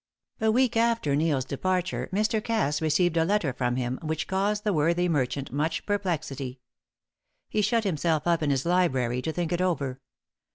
A week after Neil's departure, Mr. Cass received a letter from him which caused the worthy merchant much perplexity. He shut himself up in his library to think it over.